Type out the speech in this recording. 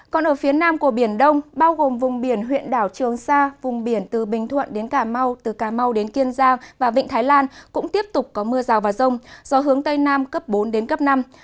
còn ở phía nam của biển đông bao gồm vùng biển huyện đảo trường sa vùng biển từ bình thuận đến cà mau từ cà mau đến kiên giang và vịnh thái lan cũng tiếp tục có mưa rào và rông gió hướng tây nam cấp bốn đến cấp năm